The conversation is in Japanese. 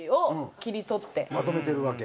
まとめてるわけ？